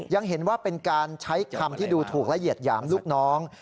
ยังเห็นว่าเป็นการใช้คำที่ดูถูกละเอียดหยามลูกน้อง